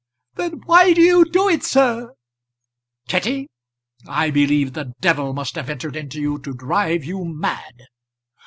"Then why do you do it, sir?" "Kitty, I believe the devil must have entered into you to drive you mad."